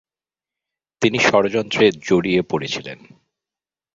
তিনি ষড়যন্ত্রে জড়িয়ে পড়েছিলেন।